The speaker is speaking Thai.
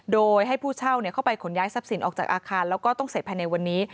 โดยให้ผู้เช่าเข้าไปขนย้ายทรัพย์สินออกจากอาคารแล้วก็ต้องเสร็จภายในวันนี้